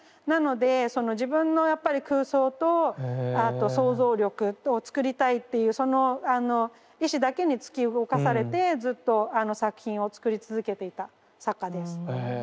なのでその自分のやっぱり空想とあと想像力と作りたいっていうその意志だけに突き動かされてずっと作品を作り続けていた作家です。